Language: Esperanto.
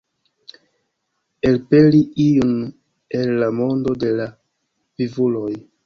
Elpeli iun el la mondo de la vivuloj.